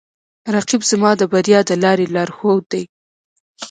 رقیب زما د بریا د لارې لارښود دی